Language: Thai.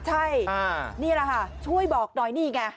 ใช่นี่แหละค่ะช่วยบอกหน่อยนี่ไง